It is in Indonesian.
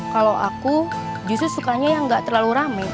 kalau aku justru sukanya yang gak terlalu rame